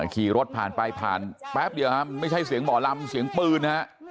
คี่รถผ่านไปผ่านแปปเดี๋ยวไม่ใช่เสียงหมอลำมันเป็นเสียงปืน